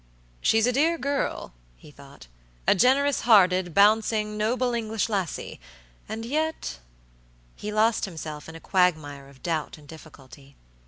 "She's a dear girl," he thought; "a generous hearted, bouncing, noble English lassie; and yet" He lost himself in a quagmire of doubt and difficulty.